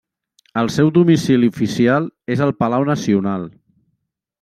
El seu domicili oficial és el Palau Nacional.